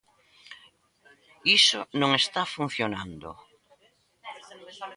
Iso non está funcionando.